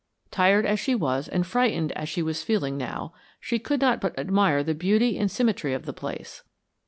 Tired as she was and frightened as she was feeling now, she could not but admire the beauty and symmetry of the place.